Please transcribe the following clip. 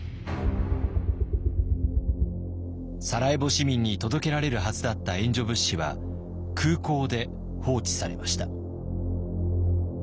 サラエボ市民に届けられるはずだった援助物資は空港で放置されました。